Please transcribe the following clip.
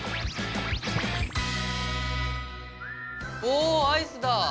おアイスだ！